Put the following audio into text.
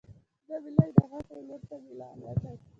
زړه مې لږ د خوښۍ لور ته میلان وکړ.